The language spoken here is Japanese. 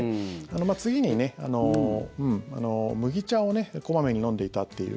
次に、麦茶を小まめに飲んでいたという。